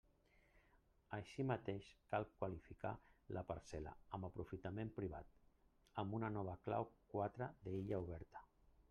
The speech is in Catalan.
Així mateix cal qualificar la parcel·la amb aprofitament privat, amb una nova clau quatre d'Illa oberta.